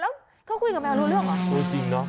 แล้วเขาคุยกับแมวรู้เรื่องเหรอ